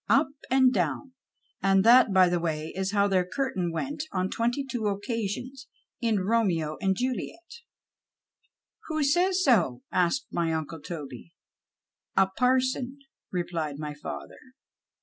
Up and down, and that, by the way, is how their curtain went on twenty two occasions in Romeo and Jidiety " \N'ho says so ?" asked my uncle Toby. " A parson," replied my father.